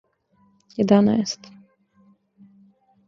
једанаест